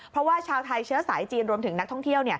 เพราะว่าชาวไทยเชื้อสายจีนรวมถึงนักท่องเที่ยว